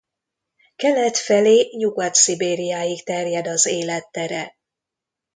Kelet felé Nyugat-Szibériáig terjed az élettere.